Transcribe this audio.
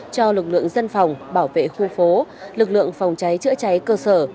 cho lực lượng dân phòng bảo vệ khu phố lực lượng phòng cháy chữa cháy cơ sở